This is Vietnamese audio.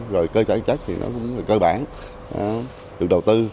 rồi cơ sở vật chất thì nó cũng cơ bản được đầu tư